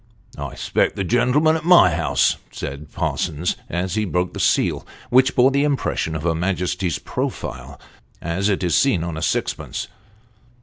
I expected the gentleman at my house," said Parsons, as he broke the seal, which bore the impression of her Majesty's profile as it is seen on a sixpence.